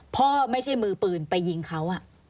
พ่อไม่ใช่มือปืนไปยิงเขา